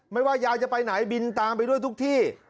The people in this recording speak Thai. ไม่ว่ายายจะไปไหนบินตามไปด้วยทุกที่